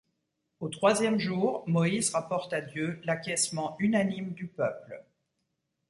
Au troisième jour, Moïse rapporte à Dieu l’acquiescement unanime du peuple.